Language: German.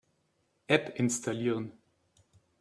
App installieren.